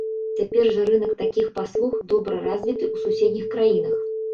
Цяпер жа рынак такіх паслуг добра развіты ў суседніх краінах.